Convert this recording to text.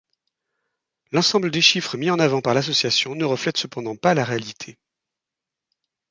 L'ensemble des chiffres mis en avant par l'association ne reflète cependant pas la réalité.